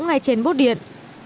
ngay trên bốt điện